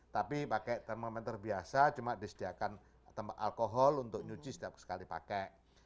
tapi pakai termometer biasa cuma disediakan tempat alkohol untuk nyuci setiap sekali pakai